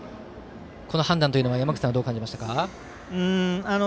この判断は山口さんはどう感じましたか？